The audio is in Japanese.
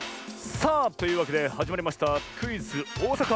さあというわけではじまりましたクイズ「おおさか」。